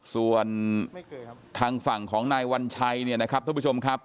ส่วนทางฝั่งของนายวัญชัยเนี่ยนะครับท่านผู้ชมครับ